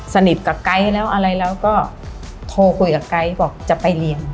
สนิทกับไก๊แล้วอะไรแล้วก็โทรคุยกับไก๊บอกจะไปเรียน